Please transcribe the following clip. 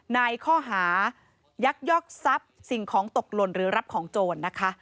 ในข้อหายักยอกทรัพย์สิ่งของตกหล่นหรือรับของโจรนะคะ